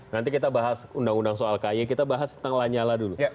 nanti kita bahas undang undang soal kay kita bahas tentang lanyala dulu